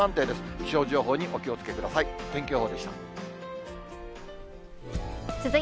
気象情報にお気をつけください。